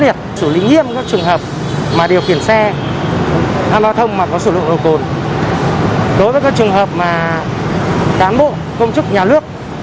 đối với các trường hợp mà cán bộ công chức nhà lước